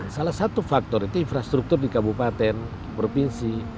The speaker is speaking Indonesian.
salah satu faktor itu infrastruktur di kabupaten provinsi